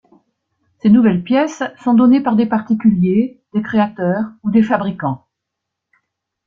Ces nouvelles pièces sont données par des particuliers, des créateurs ou des fabricants.